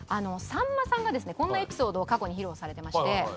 さんまさんがこんなエピソードを過去に披露されてまして。